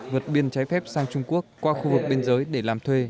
vượt biên trái phép sang trung quốc qua khu vực biên giới để làm thuê